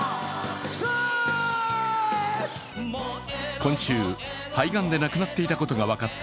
今週、肺がんで亡くなっていたことが分かった